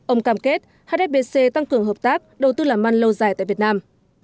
ông cam kết hsbc tăng cường hợp tác đầu tư làm ăn lâu dài tại việt nam